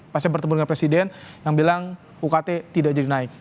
pas saya bertemu dengan presiden yang bilang ukt tidak jadi naik